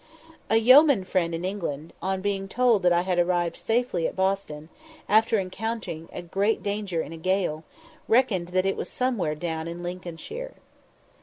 A yeoman friend in England, on being told that I had arrived safely at Boston, after encountering great danger in a gale, "reckoned that it was somewhere down in Lincolnshire."